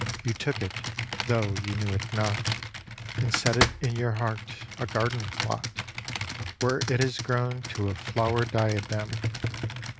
You took it, though you knew it not, And set it in your heart, a garden plot, Where it has grown to a flower diadem.